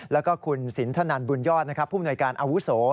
แล้วก็คุณสินทนันบุญยอดผู้มนวยการอาวุโส